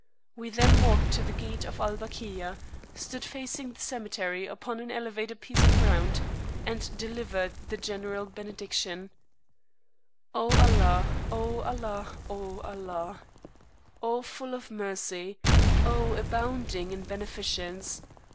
We then walked to the gate of Al Bakia, stood facing the cemetery upon an elevated piece of ground, and delivered the general benediction. O Allah! O Allah! O Allah! O full of Mercy! O abounding in Beneficence!